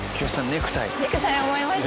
ネクタイ思いました。